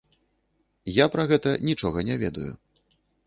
Я пра гэта нічога не ведаю.